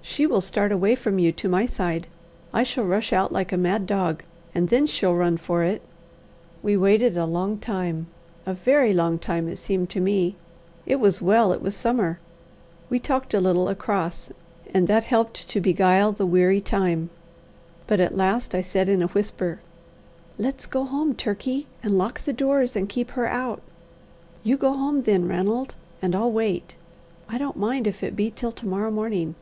"She will start away from you to my side; I shall rush out like a mad dog, and then she'll run for it." We waited a long time a very long time, it seemed to me. It was well it was summer. We talked a little across, and that helped to beguile the weary time; but at last I said in a whisper: "Let's go home, Turkey, and lock the doors, and keep her out." "You go home then, Ranald, and I'll wait. I don't mind if it be till to morrow morning.